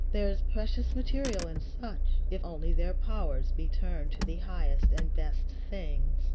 There is precious material in such, if only their powers be turned to the highest and best things.